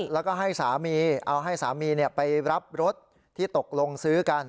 แล้วก็ให้สามีเอาให้สามีไปรับรถที่ตกลงซื้อกัน